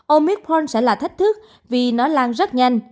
omicron sẽ là thách thức vì nó lan rất nhanh